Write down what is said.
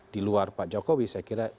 di luar pak jokowi saya kira